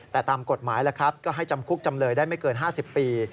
แต่ตามกฎหมายก็ให้จำคุกจำเลยได้ไม่เกิน๕๐ปี